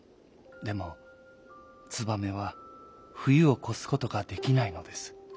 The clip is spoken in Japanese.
でもツバメはふゆをこすことができないのです。